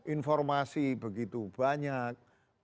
informasi begitu banyak